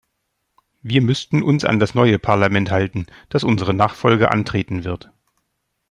Wir müssten uns an das neue Parlament halten, das unsere Nachfolge antreten wird.